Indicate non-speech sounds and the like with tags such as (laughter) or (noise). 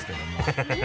ハハハ (laughs)